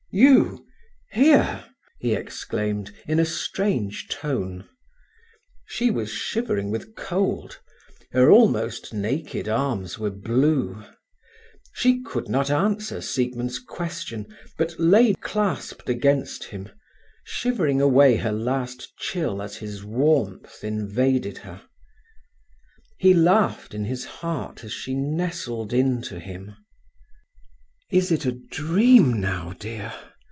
"You here!" he exclaimed, in a strange tone. She was shivering with cold. Her almost naked arms were blue. She could not answer Siegmund's question, but lay clasped against him, shivering away her last chill as his warmth invaded her. He laughed in his heart as she nestled in to him. "Is it a dream now, dear?"